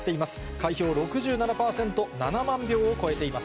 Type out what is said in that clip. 開票６７％、７万票を超えています。